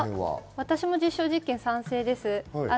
私も実証実験、賛成です。